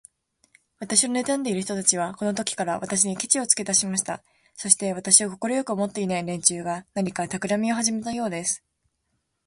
私をねたんでいる人たちは、このときから、私にケチをつけだしました。そして、私を快く思っていない連中が、何かたくらみをはじめたようです。